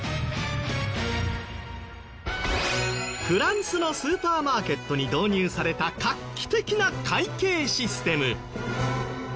フランスのスーパーマーケットに導入された画期的な会計システム。